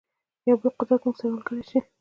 یو بل قدرت زموږ سره ملګری شي.